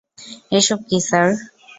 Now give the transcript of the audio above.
এসব কী স্যার?